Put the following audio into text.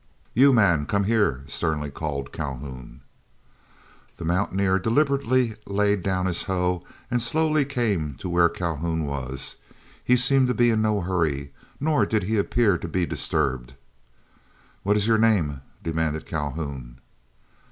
"You, man, come here!" sternly called Calhoun. The mountaineer deliberately laid down his hoe, and slowly came to where Calhoun was. He seemed to be in no hurry, nor did he appear to be disturbed. "What is your name?" demanded Calhoun.